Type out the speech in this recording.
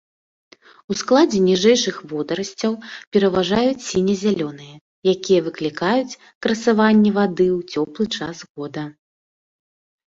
У складзе ніжэйшых водарасцяў пераважаюць сіне-зялёныя, якія выклікаюць красаванне вады ў цёплы час года.